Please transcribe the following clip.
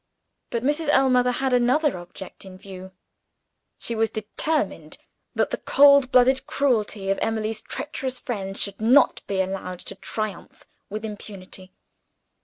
But Mrs. Ellmother had another object in view: she was determined that the cold blooded cruelty of Emily's treacherous friend should not be allowed to triumph with impunity.